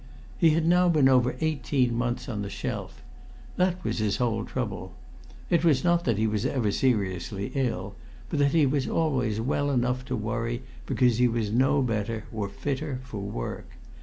He had now been over eighteen months on the shelf. That was his whole trouble. It was not that he was ever seriously ill, but that he was always well enough to worry because he was no better or fitter for work.